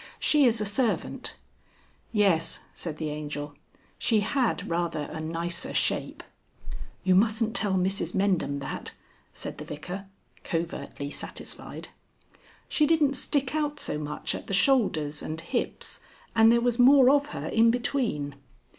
She is a servant." "Yes," said the Angel; "she had rather a nicer shape." "You mustn't tell Mrs Mendham that," said the Vicar, covertly satisfied. "She didn't stick out so much at the shoulders and hips, and there was more of her in between.